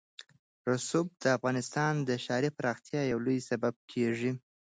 رسوب د افغانستان د ښاري پراختیا یو لوی سبب کېږي.